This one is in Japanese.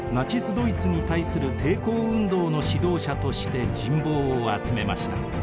ドイツに対する抵抗運動の指導者として人望を集めました。